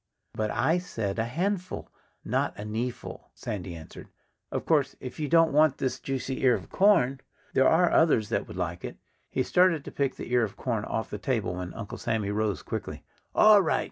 "But I said a 'handful' not a 'kneeful,'" Sandy answered. "Of course, if you don't want this juicy ear of corn, there are others that would like it." He started to pick the ear of corn off the table when Uncle Sammy rose quickly. "All right!"